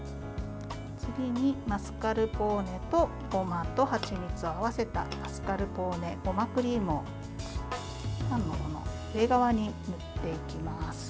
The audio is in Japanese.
次に、マスカルポーネとごまとはちみつを合わせたマスカルポーネごまクリームをパンの上側に塗っていきます。